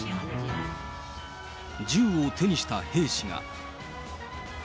銃を手にした兵士が。